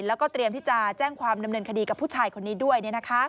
แล้วก็เตรียมที่จะแจ้งความดำเนินคดีกับผู้ชายคนนี้ด้วย